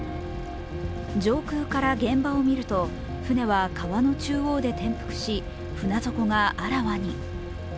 上空から現場を見ると、舟は川の中央で転覆し船底があらわに。